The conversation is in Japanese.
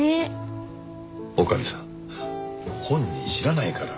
女将さん本人知らないから。